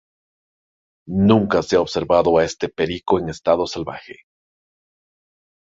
Nunca se ha observado a este perico en estado salvaje.